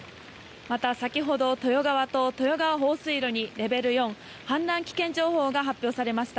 また先ほど豊川と豊川放水路に氾濫危険情報が発表されました。